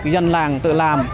dân làng tự làm